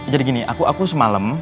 jadi gini aku semalam